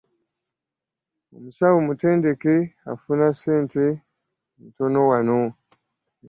Omusawo omutendeke aduna ssente ntono wano.